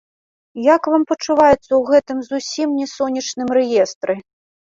Як вам пачуваецца ў гэтым зусім не сонечным рэестры?